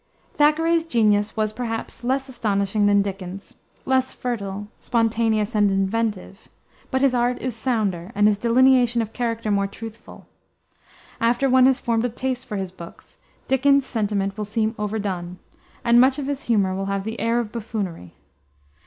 Thackeray's genius was, perhaps, less astonishing than Dickens's, less fertile, spontaneous, and inventive; but his art is sounder, and his delineation of character more truthful. After one has formed a taste for his books, Dickens's sentiment will seem overdone, and much of his humor will have the air of buffoonery.